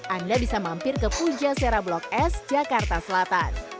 anda bisa mampir ke pujasera blok s jakarta selatan